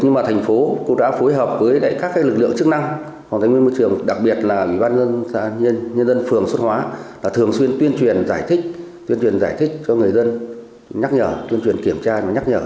nhưng mà thành phố cũng đã phối hợp với các lực lượng chức năng hoàn thành nguyên môi trường đặc biệt là bỉ ban nhân dân phường xuất hóa là thường xuyên tuyên truyền giải thích cho người dân